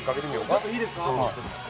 ちょっといいですか？